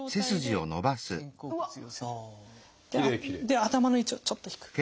で頭の位置をちょっと引く。